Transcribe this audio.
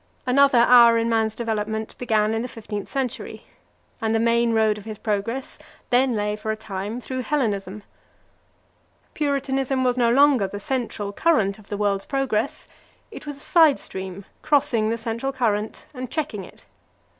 Another hour in man's development began in the fifteenth century, and the main road of his progress then lay for a time through Hellenism. Puritanism was no longer the central current of the world's progress, it was a side stream crossing the central current and checking it.